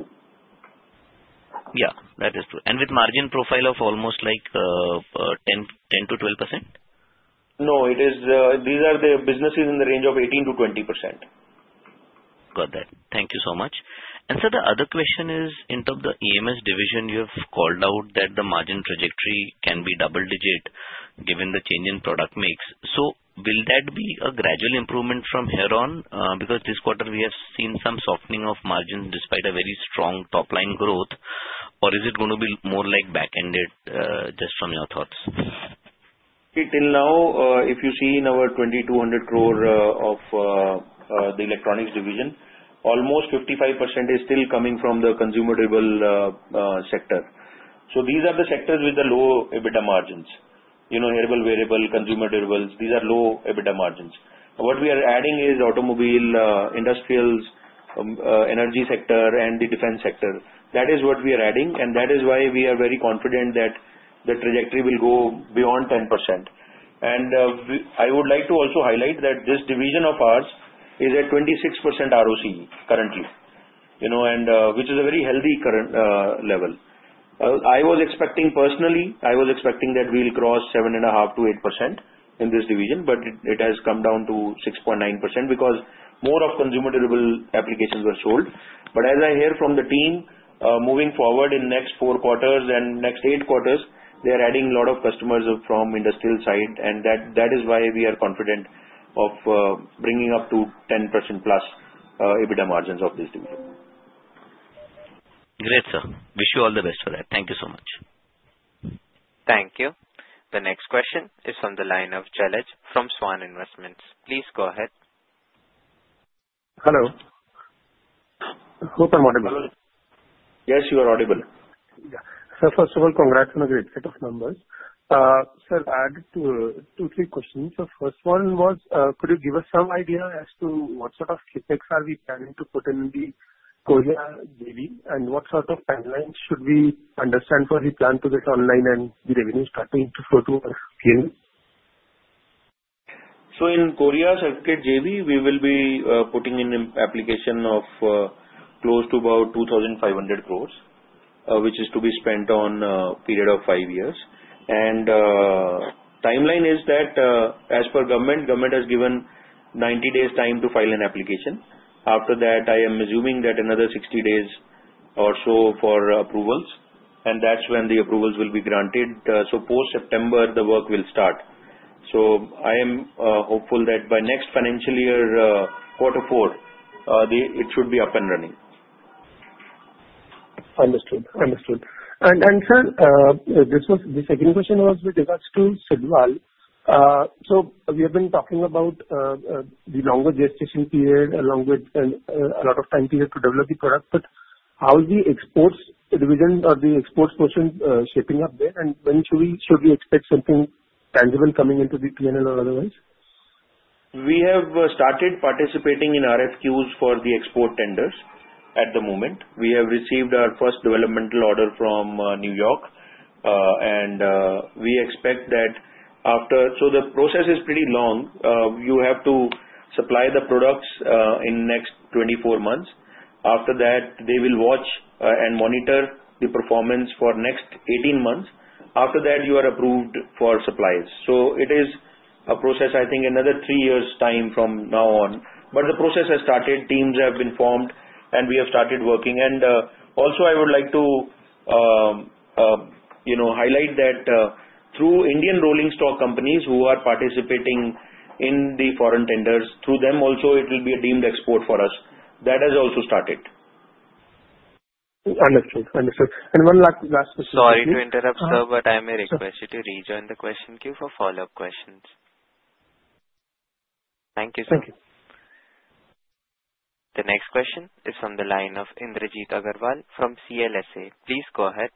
[SPEAKER 14] Yeah, that is true. With margin profile of almost like 10%-12%?
[SPEAKER 2] No, these are the businesses in the range of 18%-20%.
[SPEAKER 14] Got that. Thank you so much. Sir, the other question is, in terms of the EMS division, you have called out that the margin trajectory can be double-digit given the change in product mix. Will that be a gradual improvement from here on? Because this quarter, we have seen some softening of margins despite a very strong top-line growth. Is it going to be more like back-ended, just from your thoughts?
[SPEAKER 2] It will now, if you see in our 2,200 crore of the electronics division, almost 55% is still coming from the consumer-driven sector. These are the sectors with the low EBITDA margins. Herbal variable, consumer-driven, these are low EBITDA margins. What we are adding is automobile, industrials, energy sector, and the defense sector. That is what we are adding. That is why we are very confident that the trajectory will go beyond 10%. I would like to also highlight that this division of ours is at 26% ROCE currently, which is a very healthy level. I was expecting, personally, I was expecting that we will cross 7.5%-8% in this division, but it has come down to 6.9% because more of consumer-driven applications were sold. As I hear from the team, moving forward in the next four quarters and next eight quarters, they are adding a lot of customers from the industrial side. That is why we are confident of bringing up to 10%+ EBITDA margins of this division.
[SPEAKER 14] Great, sir. Wish you all the best for that. Thank you so much.
[SPEAKER 1] Thank you. The next question is from the line of Jalaj from Svan Investment. Please go ahead.
[SPEAKER 15] Hello. Hope I'm audible.
[SPEAKER 2] Yes, you are audible.
[SPEAKER 15] Yeah. First of all, congrats on a great set of numbers. Sir, I have two, three questions. The first one was, could you give us some idea as to what sort of CapEx are we planning to put in the Korea JV and what sort of timeline should we understand for the plan to get online and the revenue starting to flow to our field?
[SPEAKER 2] In Korea Circuits JV, we will be putting in an application of close to about 2,500 crore, which is to be spent over a period of five years. The timeline is that as per government, government has given 90 days' time to file an application. After that, I am assuming that another 60 days or so for approvals. That is when the approvals will be granted. Post-September, the work will start. I am hopeful that by next financial year, quarter four, it should be up and running.
[SPEAKER 15] Understood. Understood. Sir, the second question was with regards to Sidwal. We have been talking about the longer gestation period along with a lot of time period to develop the product. How is the export division or the export portion shaping up there? When should we expect something tangible coming into the P&L or otherwise?
[SPEAKER 2] We have started participating in RFQs for the export tenders at the moment. We have received our first developmental order from New York. We expect that after, so the process is pretty long. You have to supply the products in the next 24 months. After that, they will watch and monitor the performance for the next 18 months. After that, you are approved for suppliers. It is a process, I think, another three years' time from now on. The process has started. Teams have been formed, and we have started working. I would also like to highlight that through Indian rolling stock companies who are participating in the foreign tenders, through them also, it will be a deemed export for us. That has also started.
[SPEAKER 15] Understood. Understood. One last question.
[SPEAKER 1] Sorry to interrupt, sir, but I may request you to rejoin the question queue for follow-up questions. Thank you, sir.
[SPEAKER 15] Thank you.
[SPEAKER 1] The next question is from the line of Indrajit Agarwal from CLSA. Please go ahead.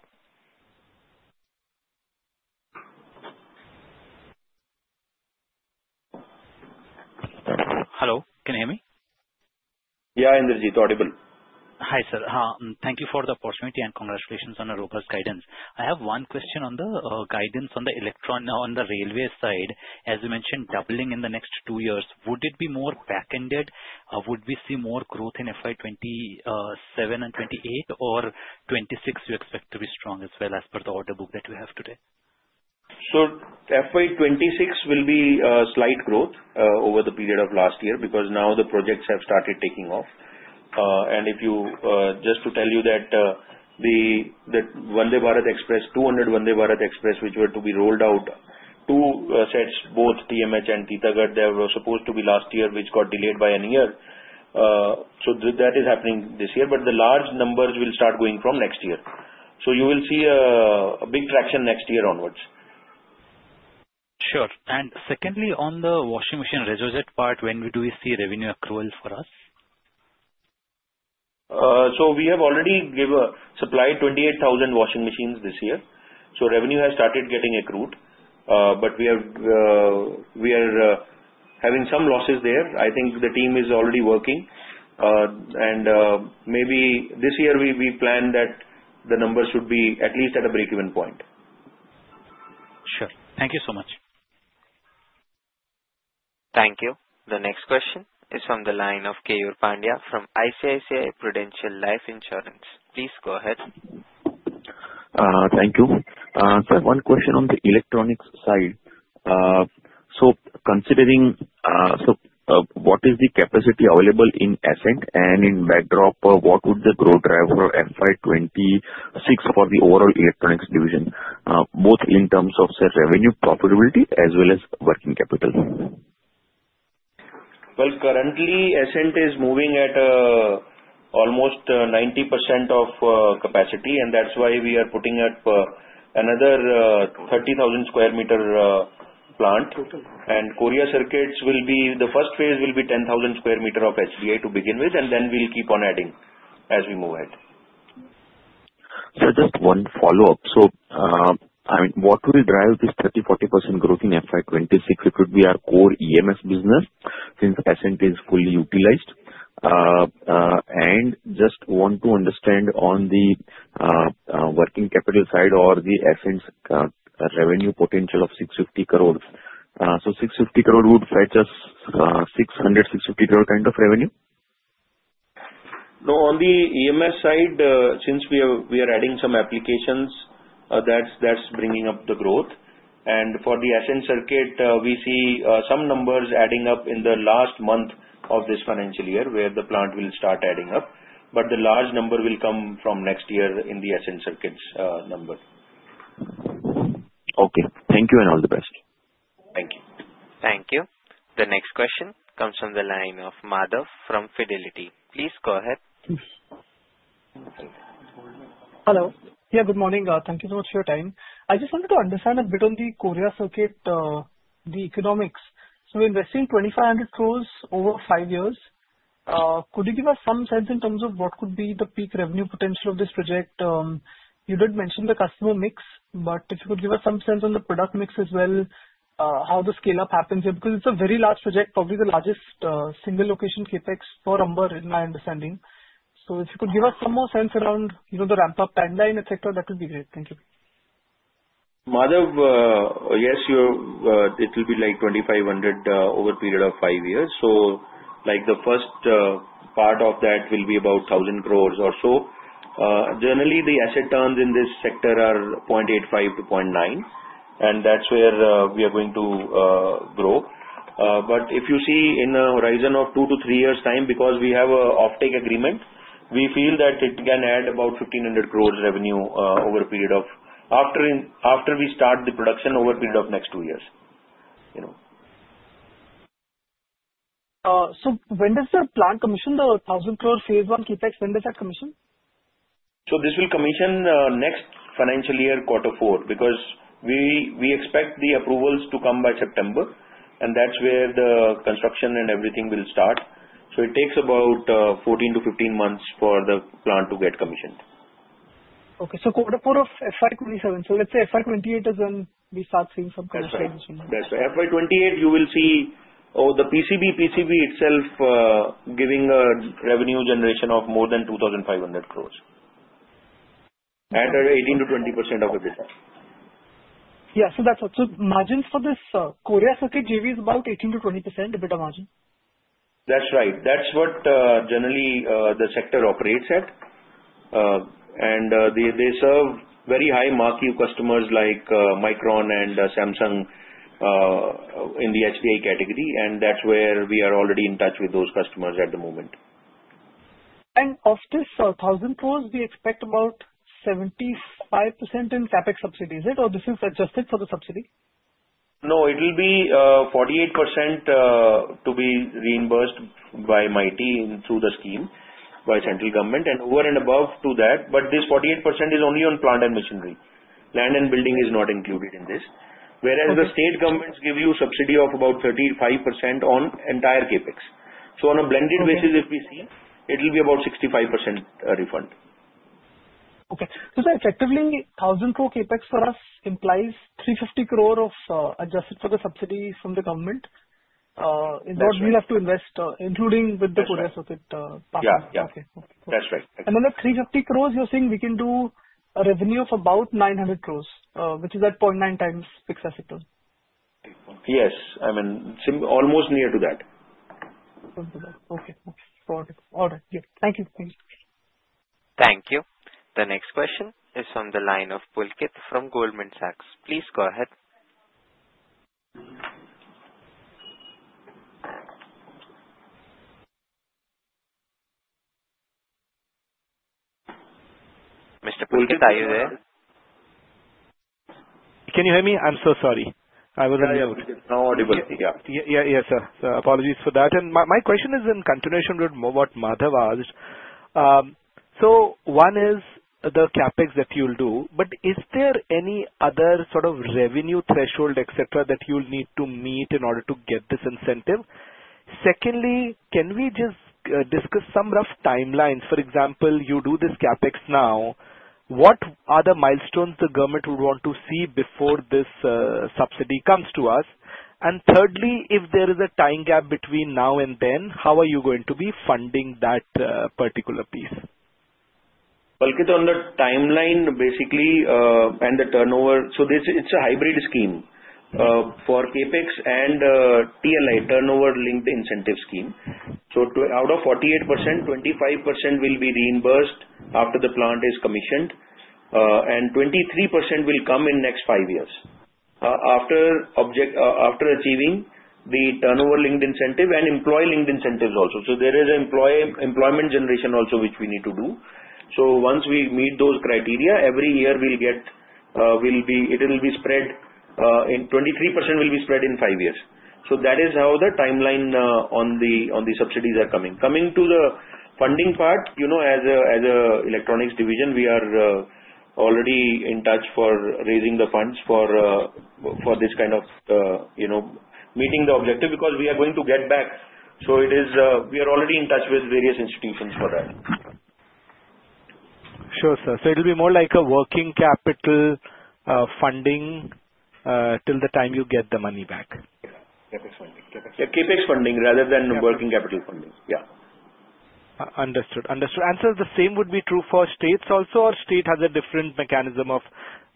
[SPEAKER 16] Hello. Can you hear me?
[SPEAKER 2] Yeah, Indrajit. Audible.
[SPEAKER 16] Hi, sir. Thank you for the opportunity and congratulations on Amber's guidance. I have one question on the guidance on the railway side. As you mentioned, doubling in the next two years. Would it be more back-ended, or would we see more growth in FY 2027 and 2028, or 2026 you expect to be strong as well as per the order book that you have today?
[SPEAKER 2] FY 2026 will be a slight growth over the period of last year because now the projects have started taking off. Just to tell you that the Vande Bharat Express, 200 Vande Bharat Express, which were to be rolled out, two sets, both TMH and Titagarh, they were supposed to be last year, which got delayed by a year. That is happening this year. The large numbers will start going from next year. You will see a big traction next year onwards.
[SPEAKER 16] Sure. Secondly, on the washing machine reset part, when do we see revenue accrual for us?
[SPEAKER 2] We have already supplied 28,000 washing machines this year. Revenue has started getting accrued. We are having some losses there. I think the team is already working. Maybe this year, we plan that the numbers should be at least at a breakeven point.
[SPEAKER 16] Sure. Thank you so much.
[SPEAKER 1] Thank you. The next question is from the line of Kenyur Pandya from ICICI Prudential Life Insurance. Please go ahead.
[SPEAKER 17] Thank you. Sir, one question on the electronics side. Considering what is the capacity available in ASCENT and in backdrop, what would the growth drive for FY 2026 for the overall electronics division, both in terms of, sir, revenue, profitability, as well as working capital?
[SPEAKER 2] Currently, ASCENT is moving at almost 90% of capacity. That is why we are putting up another 30,000 sq m plant. Korea Circuits will be the first phase, which will be 10,000 sq m of HDI to begin with, and then we will keep on adding as we move ahead.
[SPEAKER 17] Sir, just one follow-up. What will drive this 30-40% growth in FI2026? It could be our core EMS business since ASCENT is fully utilized. I just want to understand on the working capital side or the ASCENT's revenue potential of 650 crore. 650 crore would fetch us 600 crore-650 crore kind of revenue?
[SPEAKER 2] No, on the EMS side, since we are adding some applications, that's bringing up the growth. For the ASCENT Circuits, we see some numbers adding up in the last month of this financial year where the plant will start adding up. The large number will come from next year in the ASCENT Circuits' number.
[SPEAKER 17] Okay. Thank you and all the best.
[SPEAKER 2] Thank you.
[SPEAKER 1] Thank you. The next question comes from the line of Madhav from Fidelity. Please go ahead.
[SPEAKER 18] Hello. Yeah, good morning. Thank you so much for your time. I just wanted to understand a bit on the Korea Circuits, the economics. So we're investing 2,500 crore over five years. Could you give us some sense in terms of what could be the peak revenue potential of this project? You did mention the customer mix, but if you could give us some sense on the product mix as well, how the scale-up happens here, because it's a very large project, probably the largest single-location CapEx for Amber, in my understanding. If you could give us some more sense around the ramp-up timeline, etc., that would be great. Thank you.
[SPEAKER 2] Madhav, yes, it will be like 2,500 crore over a period of five years. The first part of that will be about 1,000 crore or so. Generally, the asset turns in this sector are 0.85-0.9. That is where we are going to grow. If you see in a horizon of two to three years' time, because we have an offtake agreement, we feel that it can add about 1,500 crore revenue over a period of after we start the production over a period of next two years.
[SPEAKER 18] When does the plant commission the 1,000 crore phase one CapEx? When does that commission?
[SPEAKER 2] This will commission next financial year, quarter four, because we expect the approvals to come by September. That's where the construction and everything will start. It takes about 14 months-15 months for the plant to get commissioned.
[SPEAKER 18] Okay. Quarter four of FY 2027. Let's say FY 2028 is when we start seeing some commercialization.
[SPEAKER 2] That's right. FY 2028, you will see the PCB, PCB itself giving a revenue generation of more than 2500 crore at 18%-20% of EBITDA.
[SPEAKER 18] Yeah. Margins for this Korea Circuits JV is about 18%-20% EBITDA margin.
[SPEAKER 2] That's right. That's what generally the sector operates at. They serve very high marquee customers like Micron and Samsung in the HDI category. That's where we are already in touch with those customers at the moment.
[SPEAKER 18] Of this 1,000 crore, we expect about 75% in CapEx subsidy, is it? Or is this adjusted for the subsidy?
[SPEAKER 2] No, it will be 48% to be reimbursed by MeitY through the scheme by central government and over and above to that. But this 48% is only on plant and machinery. Land and building is not included in this. Whereas the state governments give you subsidy of about 35% on entire CapEx. On a blended basis, if we see, it will be about 65% refund.
[SPEAKER 18] Okay. So effectively, 1,000 crore CapEx for us implies 350 crore of adjusted for the subsidy from the government in what we have to invest, including with the Korea Circuits partner.
[SPEAKER 2] Yeah. Yeah. That's right.
[SPEAKER 18] The 350 crore, you're saying we can do a revenue of about 900 crore, which is at 0.9x fixed asset turn.
[SPEAKER 2] Yes. I mean, almost near to that.
[SPEAKER 18] Okay. Got it. All right. Thank you. Thank you.
[SPEAKER 1] Thank you. The next question is from the line of Pulkit from Goldman Sachs. Please go ahead. Mr. Pulkit, are you there?
[SPEAKER 19] Can you hear me? I'm so sorry. I was on the out.
[SPEAKER 2] No audible. Yeah.
[SPEAKER 19] Yeah. Yes, sir. Apologies for that. And my question is in continuation with what Madhav asked. So one is the CapEx that you'll do, but is there any other sort of revenue threshold, et cetera, that you'll need to meet in order to get this incentive? Secondly, can we just discuss some rough timelines? For example, you do this CapEx now. What are the milestones the government would want to see before this subsidy comes to us? And thirdly, if there is a time gap between now and then, how are you going to be funding that particular piece?
[SPEAKER 2] Pulkit, on the timeline, basically, and the turnover, it is a hybrid scheme for CapEx and TLI, Turnover-Linked Incentive Scheme. Out of 48%, 25% will be reimbursed after the plant is commissioned, and 23% will come in the next five years after achieving the Turnover-Linked Incentive and Employee-Linked Incentives also. There is employment generation also which we need to do. Once we meet those criteria, every year we will get it. It will be spread in 23% will be spread in five years. That is how the timeline on the subsidies are coming. Coming to the funding part, as an electronics division, we are already in touch for raising the funds for this kind of meeting the objective because we are going to get back. We are already in touch with various institutions for that.
[SPEAKER 19] Sure, sir. It will be more like a working capital funding till the time you get the money back.
[SPEAKER 2] CapEx funding. CapEx. Yeah, CapEx funding rather than working capital funding. Yeah.
[SPEAKER 19] Understood. Understood. Sir, the same would be true for states also, or state has a different mechanism of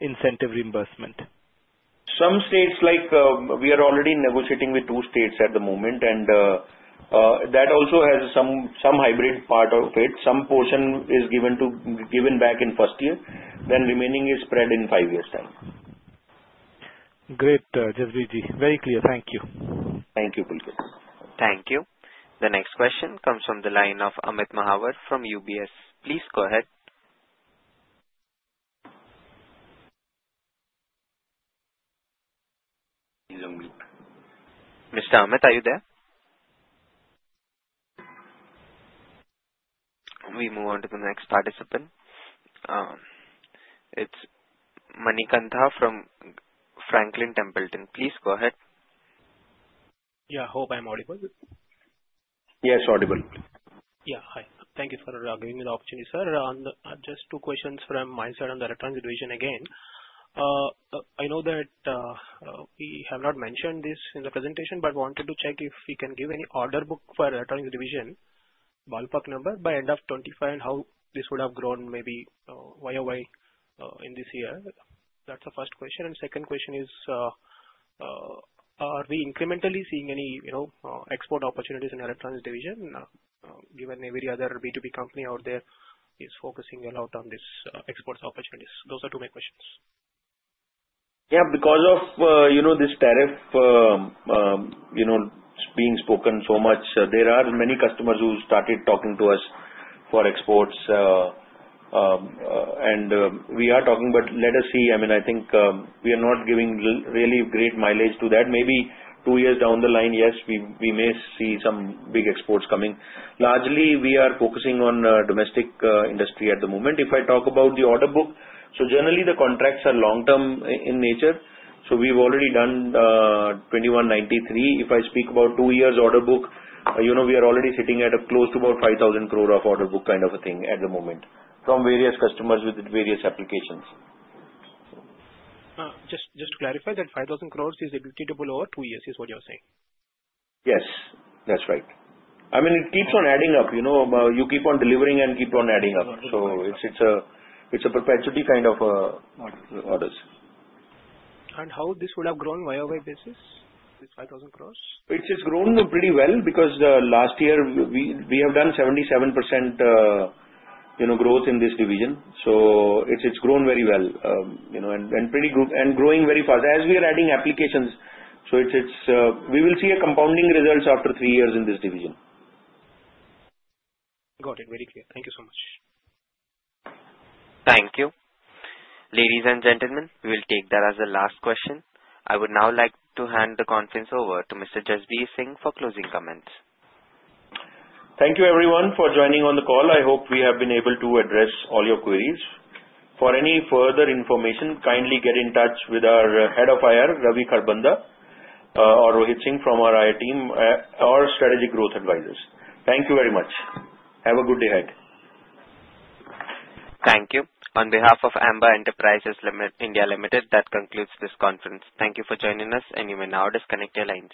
[SPEAKER 19] incentive reimbursement?
[SPEAKER 2] Some states, like we are already negotiating with two states at the moment. That also has some hybrid part of it. Some portion is given back in the first year. The remaining is spread in five years' time.
[SPEAKER 19] Great, Jasbir. Very clear. Thank you.
[SPEAKER 2] Thank you, Pulkit.
[SPEAKER 1] Thank you. The next question comes from the line of Amit Mahawar from UBS. Please go ahead. Mr. Amit, are you there? We move on to the next participant. It's Manikantha from Franklin Templeton. Please go ahead.
[SPEAKER 20] Yeah. Hope I'm audible.
[SPEAKER 2] Yes, audible.
[SPEAKER 20] Yeah. Hi. Thank you for giving me the opportunity, sir. Just two questions from my side on the electronics division again. I know that we have not mentioned this in the presentation, but wanted to check if we can give any order book for electronics division, ballpark number, by end of 2025, and how this would have grown maybe year over year in this year. That is the first question. The second question is, are we incrementally seeing any export opportunities in the electronics division, given every other B2B company out there is focusing a lot on these export opportunities? Those are two main questions.
[SPEAKER 2] Yeah. Because of this tariff being spoken so much, there are many customers who started talking to us for exports. And we are talking, but let us see. I mean, I think we are not giving really great mileage to that. Maybe two years down the line, yes, we may see some big exports coming. Largely, we are focusing on domestic industry at the moment. If I talk about the order book, generally, the contracts are long-term in nature. We have already done 2,193 crore. If I speak about two years' order book, we are already sitting at close to about 5,000 crore of order book kind of a thing at the moment from various customers with various applications.
[SPEAKER 20] Just to clarify, that 5,000 crore is repeatable over two years is what you're saying?
[SPEAKER 2] Yes. That's right. I mean, it keeps on adding up. You keep on delivering and keep on adding up. It is a perpetuity kind of orders.
[SPEAKER 20] How would this have grown YoY basis? Is 5,000 crore?
[SPEAKER 2] It's grown pretty well because last year, we have done 77% growth in this division. It has grown very well and is growing very fast as we are adding applications. We will see compounding results after three years in this division.
[SPEAKER 20] Got it. Very clear. Thank you so much.
[SPEAKER 1] Thank you. Ladies and gentlemen, we will take that as the last question. I would now like to hand the conference over to Mr. Jasbir Singh for closing comments.
[SPEAKER 2] Thank you, everyone, for joining on the call. I hope we have been able to address all your queries. For any further information, kindly get in touch with our Head of IR, Ravi Kharbanda, or Rohit Singh from our IR team or Strategic Growth Advisors. Thank you very much. Have a good day ahead.
[SPEAKER 1] Thank you. On behalf of Amber Enterprises India Ltd., that concludes this conference. Thank you for joining us, and you may now disconnect your lines.